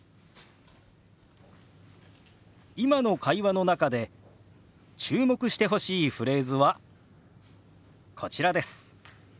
今の会話の中で注目してほしいフレーズはこちらです。